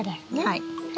はい。